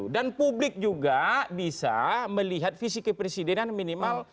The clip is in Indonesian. dan publik juga bisa melihat visi kepresidenan minimal